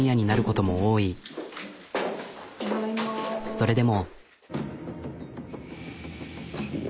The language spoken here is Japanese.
それでも。